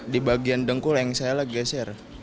di bagian dengkul yang saya lagi geser